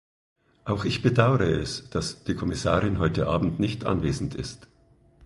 Auch ich bedaure es, dass die Kommissarin heute abend nicht anwesend ist.